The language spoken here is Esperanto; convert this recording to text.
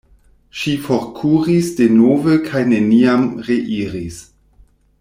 Ŝi forkuris denove kaj neniam reiris.